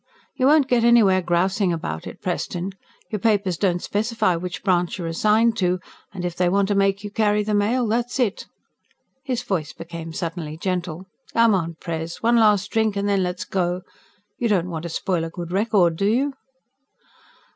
"You won't get anywhere grousing about it, Preston. Your papers don't specify which branch you're assigned to, and if they want to make you carry the mail that's it." His voice became suddenly gentle. "Come on, Pres. One last drink, and then let's go. You don't want to spoil a good record, do you?"